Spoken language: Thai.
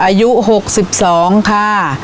อายุ๖๒ค่ะ